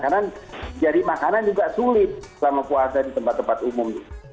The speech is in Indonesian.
karena jadi makanan juga sulit selama puasa di tempat tempat umum